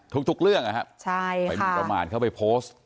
ทุกเรื่องไปหมินประมาณเข้าไปโพสต์